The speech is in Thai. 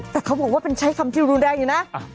แต่เขาบอกว่าเป็นใช้คำที่รุนแรงอยู่นะ